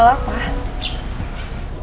soal pembunuhan roy